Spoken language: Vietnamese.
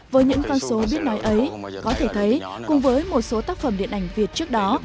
với những con số biết nói ấy có thể thấy cùng với một số tác phẩm điện ảnh việt trước đó